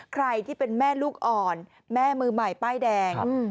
ใครที่เป็นแม่ลูกอ่อนแม่มือใหม่ป้ายแดง